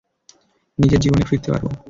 নিজের জীবনে ফিরতে পারব!